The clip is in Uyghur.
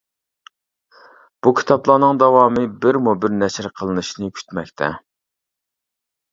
بۇ كىتابلارنىڭ داۋامى بىرمۇبىر نەشر قىلىنىشنى كۈتمەكتە.